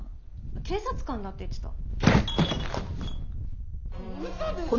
警察官だって言ってた。